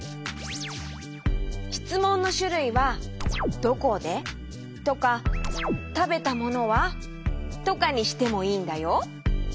しつもんのしゅるいは「どこで？」とか「たべたものは？」とかにしてもいいんだよ。